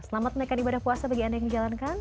selamat naikkan ibadah puasa bagi anda yang dijalankan